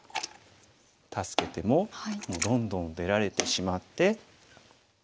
助けてももうどんどん出られてしまって。